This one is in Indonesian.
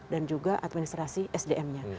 dan juga administrasi sdm nya